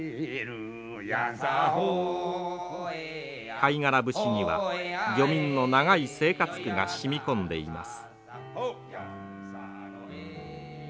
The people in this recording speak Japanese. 「貝殻節」には漁民の長い生活苦が染み込んでいます。